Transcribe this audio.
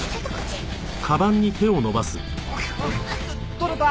取れた？